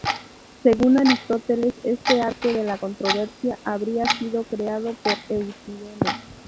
Según Aristóteles, este arte de la controversia habría sido creado por Eutidemo.